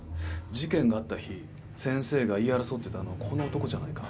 事件があった日先生が言い争ってたのはこの男じゃないか？